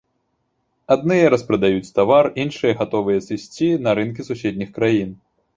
Адныя распрадаюць тавар, іншыя гатовыя сысці на рынкі суседніх краін.